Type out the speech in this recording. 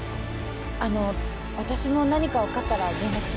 あの私も何か分かったら連絡します。